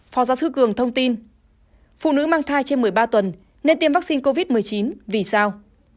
phó giáo sư cường thông tin phụ nữ mang thai trên một mươi ba tuần nên tiêm vaccine covid một mươi chín vì sao